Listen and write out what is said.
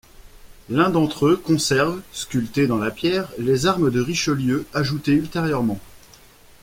L'un d'entre eux conserve, sculptées dans la pierre, les armes des Richelieu, ajoutées ultérieurement.